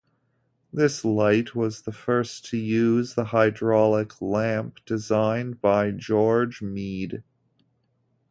This light was the first to use the hydraulic lamp designed by George Meade.